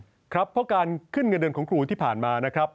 เพราะการขึ้นเงินเดือนของครูที่ผ่านมานะครับ